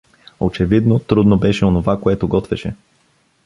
Очевидно, трудно беше онова, което готвеше.